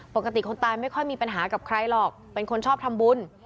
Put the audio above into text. คนตายไม่ค่อยมีปัญหากับใครหรอกเป็นคนชอบทำบุญ